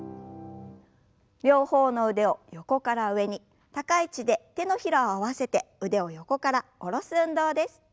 両方の腕を横から上に高い位置で手のひらを合わせて腕を横から下ろす運動です。